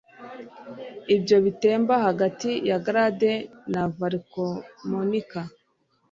ibyo bitemba hagati ya Garde na Valcamonica